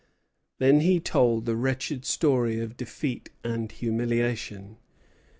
Then he told the wretched story of defeat and humiliation.